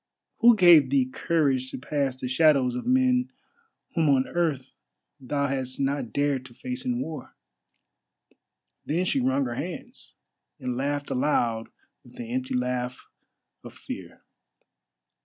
Who gave thee courage to pass the shadows of men whom on earth thou hadst not dared to face in war?" Then she wrung her hands, and laughed aloud with the empty laugh of fear.